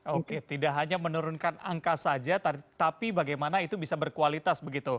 oke tidak hanya menurunkan angka saja tapi bagaimana itu bisa berkualitas begitu